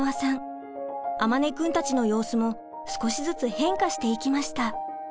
周くんたちの様子も少しずつ変化していきました。